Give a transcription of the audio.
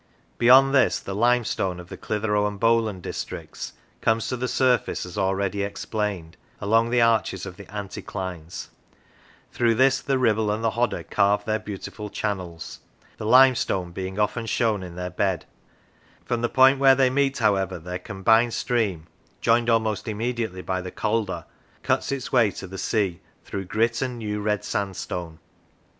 Beyond this the limestone of the Clitheroe and Bowland districts comes to the surface, as already explained, along the arches of the anticlines; through this the Ribble and the Hodder carve their beautiful channels, the limestone being often shown in their bed; from the point where they meet, however, their combined stream, joined almost immediately by the Calder, cuts its way to the sea through grit and New Red Sandstone.